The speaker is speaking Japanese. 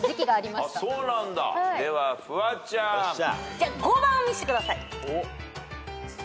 じゃあ５番を見せてください。